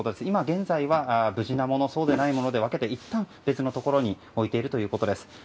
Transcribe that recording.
今現在は無事なもの、そうでないもので分けて、いったん別のところに置いているということです。